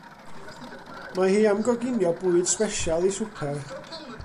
Mae hi am goginio bwyd sbesial i swper.